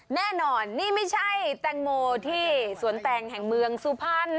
แน่นอนนี่ไม่ใช่แตงโมที่สวนแตงแห่งเมืองสุพรรณ